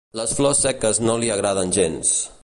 Les flors seques no li agraden gens.